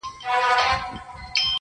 هم دا دنیا هم آخرت دی د خانانو موري -